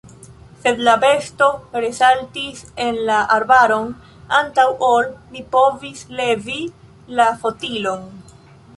Sed la besto resaltis en la arbaron, antaŭ ol mi povis levi la fotilon.